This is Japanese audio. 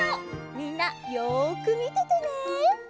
みんなよくみててね。